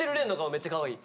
めっちゃかわいい。